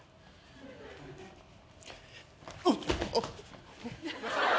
あっ。